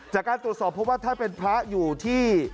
จากการตรวจสอบเพราะว่าท่านเป็นพระอยู่ที่